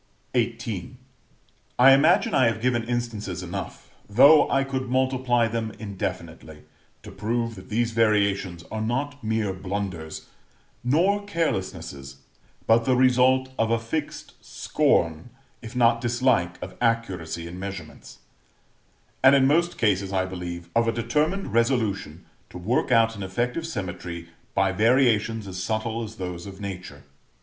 XVIII. I imagine I have given instances enough, though I could multiply them indefinitely, to prove that these variations are not mere blunders, nor carelessnesses, but the result of a fixed scorn, if not dislike, of accuracy in measurements; and, in most cases, I believe, of a determined resolution to work out an effective symmetry by variations as subtle as those of Nature.